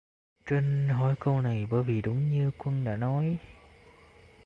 Trinh hỏi câu này bởi vì đúng như quân đã nói